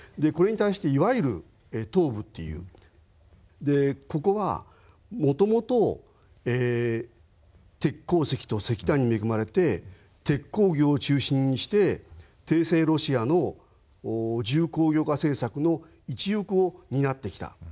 これに対していわゆる東部というここはもともと鉄鉱石と石炭に恵まれて鉄鋼業を中心にして帝政ロシアの重工業化政策の一翼を担ってきた。